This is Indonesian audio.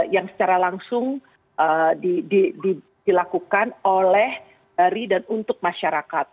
yang secara langsung dilakukan oleh dari dan untuk masyarakat